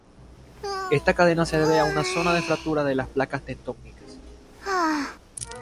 Esta cadena se debe a una zona de fractura de las placas tectónicas.